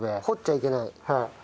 掘っちゃいけない。